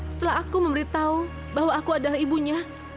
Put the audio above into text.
setelah aku memberitahu bahwa aku adalah ibunya